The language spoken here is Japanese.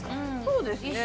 そうですね